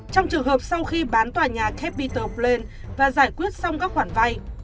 trong trường hợp sau khi bán tòa nhà capital pland và giải quyết xong các khoản vay